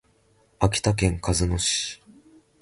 秋田県鹿角市